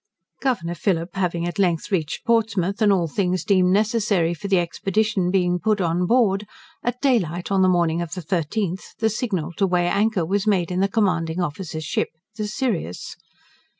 Governor Phillip having at length reached Portsmouth, and all things deemed necessary for the expedition being put on board, at daylight on the morning of the 13th, the signal to weigh anchor was made in the Commanding Officer's ship the Sirius.